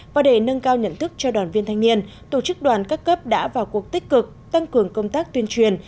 và để nâng cao nhận thức cho đoàn viên thanh niên tổ chức đoàn các cấp đã vào cuộc tích cực tăng cường công tác tuyên truyền